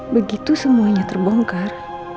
begitu semuanya terbongkar